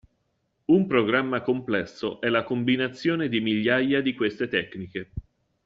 Un programma complesso è la combinazione di migliaia di queste tecniche.